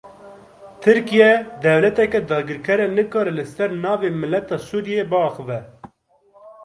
Tirkiye dewleteke dagirker e, nikare li ser navê miletê Sûriyê biaxive.